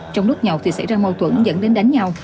trong lúc nhậu thì xảy ra mâu thuẫn dẫn đến đánh nhau